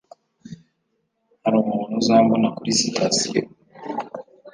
Hari umuntu uzambona kuri sitasiyo?